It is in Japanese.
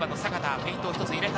フェイントを一つ入れた。